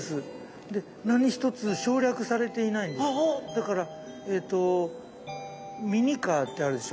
だからえとミニカーってあるでしょ。